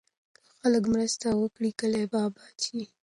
که خلک مرسته وکړي، کلي به اباد شي.